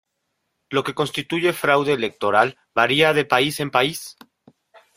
Lo que constituye fraude electoral varía de país en país.